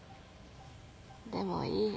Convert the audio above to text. でもいい。